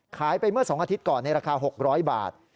ไปเมื่อ๒อาทิตย์ก่อนในราคา๖๐๐บาท